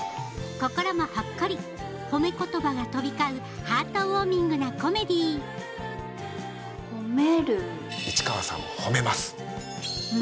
心もほっこりほめ言葉が飛び交うハートウォーミングなコメディーほめる。